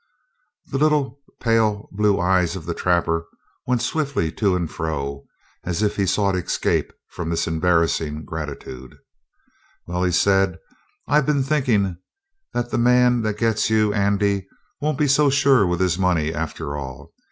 The little, pale blue eyes of the trapper went swiftly to and fro, as if he sought escape from this embarrassing gratitude. "Well," said he, "I've been thinkin' that the man that gets you, Andy, won't be so sure with his money, after all.